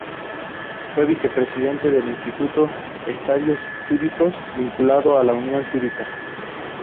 Fue vicepresidente del Instituto de Estudios Cívicos, vinculado a la Unión Cívica.